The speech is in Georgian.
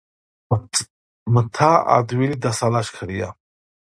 მთა ადვილი დასალაშქრია.